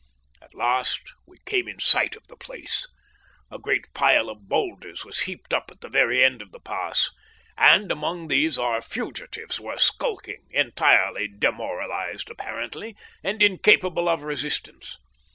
At last we came in sight of the place. A great pile of boulders was heaped up at the very end of the pass, and among these our fugitives were skulking, entirely demoralised apparently, and incapable of resistance.